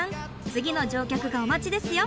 次の乗客がお待ちですよ。